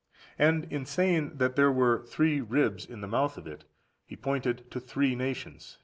And in saying that there were "three ribs in the mouth of it," he pointed to three nations, viz.